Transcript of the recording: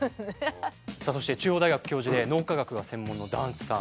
そして中央大学教授で脳科学が専門の檀さん。